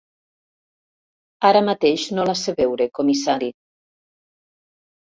Ara mateix, no la sé veure, comissari.